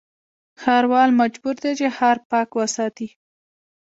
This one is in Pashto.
ښاروال مجبور دی چې، ښار پاک وساتي.